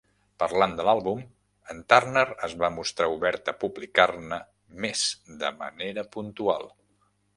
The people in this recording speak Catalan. Parlant de l'àlbum, en Turner es va mostrar obert a publicar-ne més "de manera puntual"